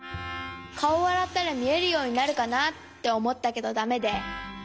かおあらったらみえるようになるかなっておもったけどだめで。